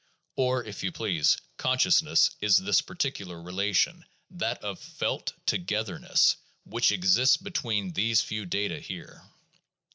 Or, if you please, consciousness is this peculiar relation, that of felt togetherness, which exists between these few data here.